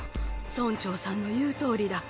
村長さんの言うとおりだ。